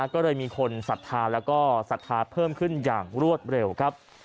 ก็เลยมีคนศรัทธาแล้วก็ศรัทธาเพิ่มขึ้นอย่างรวดเร็วครับ